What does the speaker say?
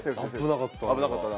危なかった。